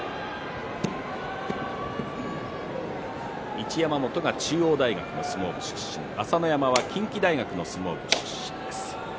一山本が中央大学の相撲部出身朝乃山は近畿大学の相撲部出身です。